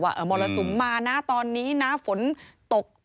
ว่ามรสุมมาตอนนี้หน้าฝนตก